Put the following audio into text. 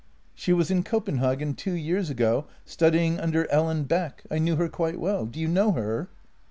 " She was in Copenhagen two years ago studying under Ellen Beck. I knew her quite well. Do you know her?